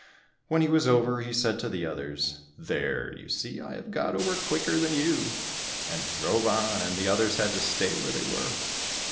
When he was over, he said to the others, "There, you see, I have got over quicker than you," and drove on, and the others had to stay where they were.